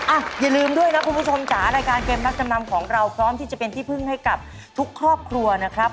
อ่ะอย่าลืมด้วยนะคุณผู้ชมจ๋ารายการเกมรับจำนำของเราพร้อมที่จะเป็นที่พึ่งให้กับทุกครอบครัวนะครับ